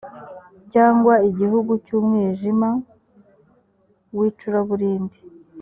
cyangwa igihugu cy umwijima w icuraburindi